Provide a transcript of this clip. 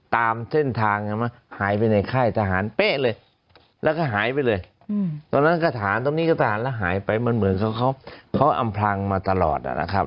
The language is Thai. ตามเส้นทางใช่ไหมหายไปในค่ายทหารเป๊ะเลยแล้วก็หายไปเลยตอนนั้นก็ฐานตรงนี้ก็ทหารแล้วหายไปมันเหมือนเขาอำพลังมาตลอดนะครับ